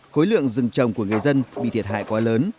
khối lượng rừng trồng của người dân bị thiệt hại quá lớn